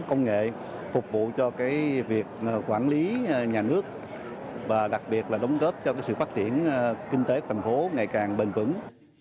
ủng hộ cho việc quản lý nhà nước và đặc biệt là đóng góp cho sự phát triển kinh tế thành phố ngày càng bền vững